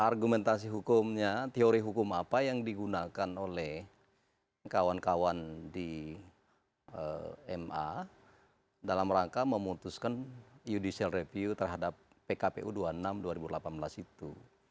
argumentasi hukumnya teori hukum apa yang digunakan oleh kawan kawan di ma dalam rangka memutuskan judicial review terhadap pkpu dua puluh enam dua ribu delapan belas itu